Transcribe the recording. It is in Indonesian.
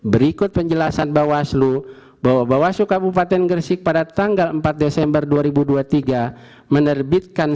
berikut penjelasan bawaslu bahwa bawaslu kabupaten gresik pada tanggal empat desember dua ribu dua puluh tiga menerbitkan